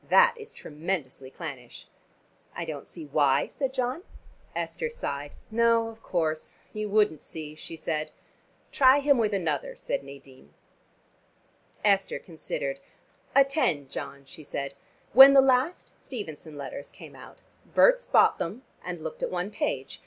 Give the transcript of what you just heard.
That is tremendously clannish." "I don't see why," said John. Esther sighed. "No, of course you wouldn't see," she said. "Try him with another," said Nadine. Esther considered. "Attend, John," she said. "When the last Stevenson letters came out, Berts bought them and looked at one page.